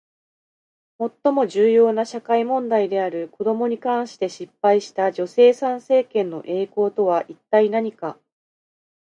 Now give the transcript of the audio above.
最も重要な社会問題である子どもに関して失敗した女性参政権の栄光とは一体何か？